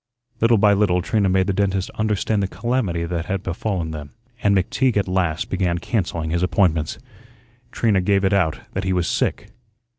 Little by little Trina made the dentist understand the calamity that had befallen them, and McTeague at last began cancelling his appointments. Trina gave it out that he was sick.